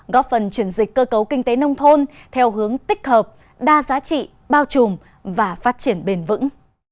góp phần chuyển dịch cơ cấu kinh tế nông thôn theo hướng tích hợp đa giá trị bao trùm và phát triển bền vững